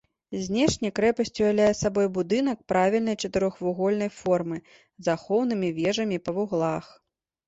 Знешне крэпасць уяўляе сабой будынак правільнай чатырохвугольнай формы з ахоўнымі вежамі па вуглах.